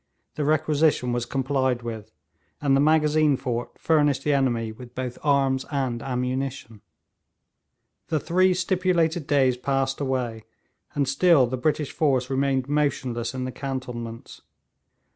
The requisition was complied with, and the Magazine fort furnished the enemy with both arms and ammunition. The three stipulated days passed away, and still the British force remained motionless in the cantonments.